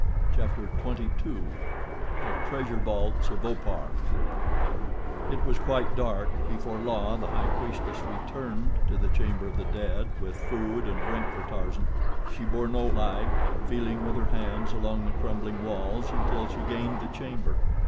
Chapter XXII The Treasure Vaults of Opar It was quite dark before La, the high priestess, returned to the Chamber of the Dead with food and drink for Tarzan. She bore no light, feeling with her hands along the crumbling walls until she gained the chamber.